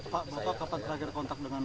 pak bapak kapan terakhir kontak dengan